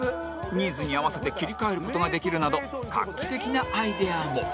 ニーズに合わせて切り替える事ができるなど画期的なアイデアも